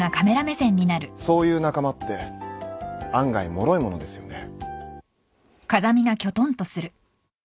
そういう仲間って案外もろいものですよね。